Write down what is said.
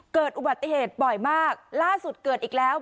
เกิดอุบัติเหตุบ่อยมากล่าสุดเกิดอีกแล้ว